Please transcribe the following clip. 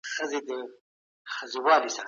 هغوی د خپلو ګاونډیو کیسې کوي.